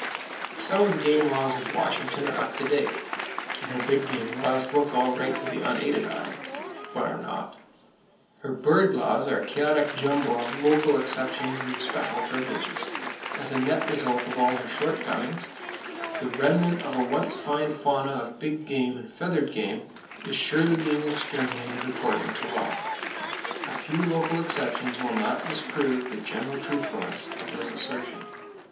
Some of the game laws of Washington are up to date; and her big game laws look all right to the unaided eye, but are not. Her bird laws are a chaotic jumble of local exceptions and special privileges. As a net result of all her shortcomings, the remnant of a once fine fauna of big game and feathered game is surely being exterminated according to law. A few local exceptions will not disprove the general truthfulness of this assertion.